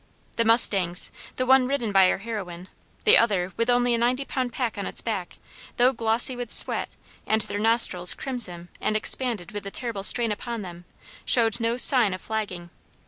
The mustangs, the one ridden by our heroine, the other with only a ninety pound pack on its back, though glossy with sweat, and their nostrils crimson and expanded with the terrible strain upon them, showed no sign of flagging.